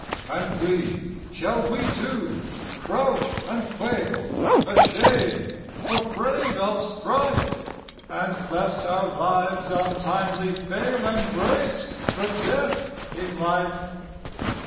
And we, shall we too, crouch and quail, Ashamed, afraid of strife, And lest our lives untimely fail Embrace the Death in Life?